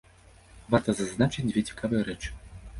Варта зазначыць дзве цікавыя рэчы.